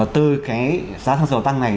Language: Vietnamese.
từ cái giá xăng dầu tăng này